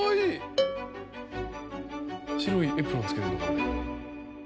白いエプロンつけてるのか。